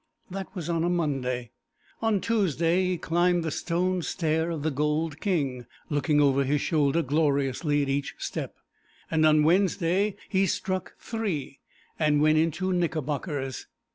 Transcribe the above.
That was on a Monday. On Tuesday he climbed the stone stair of the Gold King, looking over his shoulder gloriously at each step, and on Wednesday he struck three and went into knickerbockers.